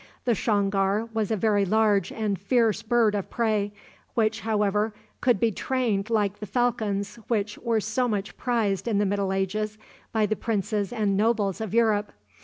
The shongar was a very large and fierce bird of prey, which, however, could be trained like the falcons which were so much prized in the Middle Ages by the princes and nobles of Europe.